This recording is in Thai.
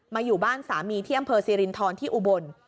อยู่บ้านสามีที่อำเภอสิรินทรที่อุบล